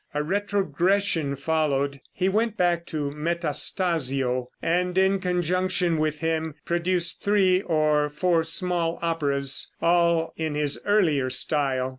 A retrogression followed. He went back to Metastasio, and in conjunction with him produced three or four small operas, all in his earlier style.